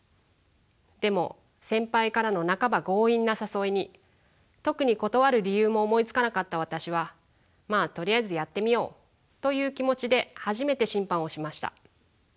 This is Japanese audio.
でも先輩からの半ば強引な誘いに特に断る理由も思いつかなかった私はまあとりあえずやってみようという気持ちで初めて審判をしました。